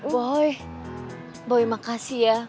boy boy makasih ya